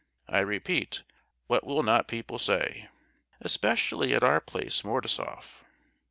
I repeat, what will not people say? Especially at our place, Mordasoff!